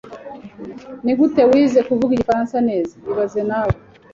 Nigute wize kuvuga igifaransa neza ibaze nawe